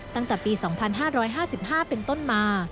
ตั้งแต่ปี๒๕๕๕เป็นต้นมา